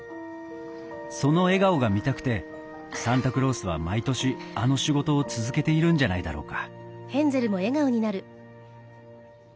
その笑顔が見たくてサンタクロースは毎年あの仕事を続けているんじゃないだろうか